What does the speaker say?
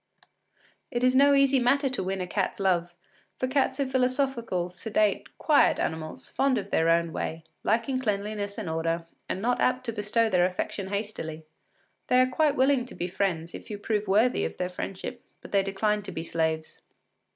It is no easy matter to win a cat’s love, for cats are philosophical, sedate, quiet animals, fond of their own way, liking cleanliness and order, and not apt to bestow their affection hastily. They are quite willing to be friends, if you prove worthy of their friendship, but they decline to be slaves.